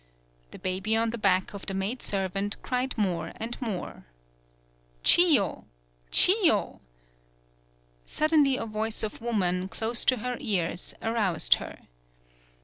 The baby on the back of the maidservant cried more and more. "Chiyo! Chiyo!" Suddenly, a voice of woman, close to her ears, aroused her.